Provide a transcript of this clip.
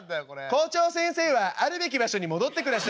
「校長先生はあるべき場所に戻ってください」。